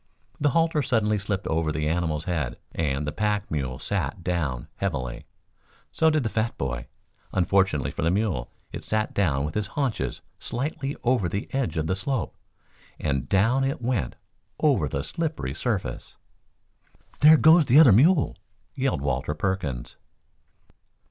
The halter suddenly slipped over the animal's head, and the pack mule sat down heavily. So did the fat boy. Unfortunately for the mule it sat down with its haunches slightly over the edge of the slope, and down it went over the slippery surface. "There goes the other mule!" yelled Walter Perkins.